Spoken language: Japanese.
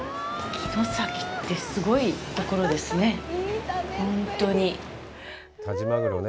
城崎ってすごいところですね。